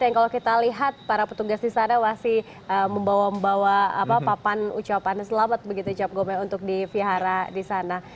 yang kalau kita lihat para petugas di sana masih membawa bawa papan ucapan selamat begitu cap gome untuk di vihara di sana